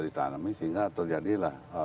ditanami sehingga terjadilah